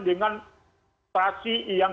dengan prasi yang